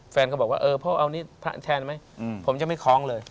เพลงก็บอกว่าเพราะเอาพระแทนไหมผมจะไม่คล้องเลย